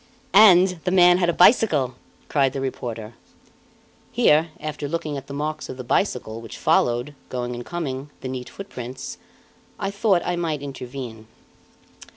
"And the man had a bicycle!" cried the reporter. Here, after looking at the marks of the bicycle, which followed, going and coming, the neat footprints, I thought I might intervene.